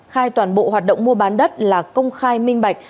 khai toàn bộ hoạt động mua bán đất là công khai minh bạch